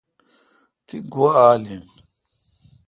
تی گوا آل این